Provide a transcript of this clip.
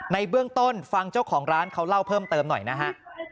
ในเบื้องต้นฟังเจ้าของร้านเขาเล่าเพิ่มเติมหน่อยนะฮะ